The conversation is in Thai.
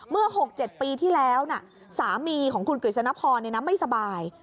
เมื่อ๖๗ปีที่แล้วสามีของคุณกฤษณพรในน้ำไม่สบาย